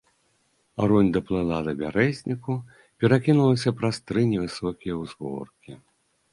Рунь даплыла да бярэзніку, перакінулася праз тры невысокія ўзгоркі.